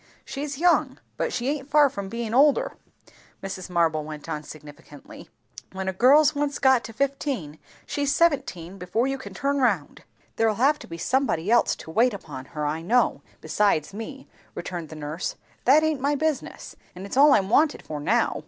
"She's young, but she aint far from bein' older," Mrs. Marble went on significantly. "When a girl's once got to fifteen, she's seventeen before you can turn round." "There'll have to be somebody else to wait upon her, I know, besides me," returned the nurse. "That aint my business. And it's all I'm wanted for now.